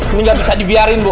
ini nggak bisa dibiarin bu